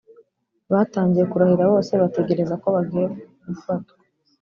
batangiye kurahira bose bategereza ko bagiye gufatwa